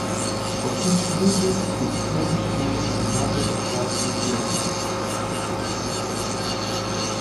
For each division, its Swedish name and number of clubs is given.